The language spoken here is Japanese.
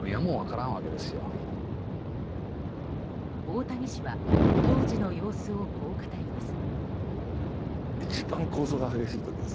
大谷氏は当時の様子をこう語ります。